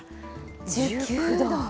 １９度。